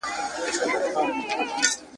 زه نغمه یمه د میني، زه زینت د دې جهان یم `